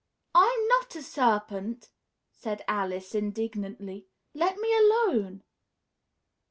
"I'm not a serpent!" said Alice indignantly. "Let me alone!"